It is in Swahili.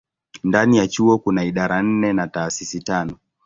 Ndani ya chuo kuna idara nne na taasisi tano.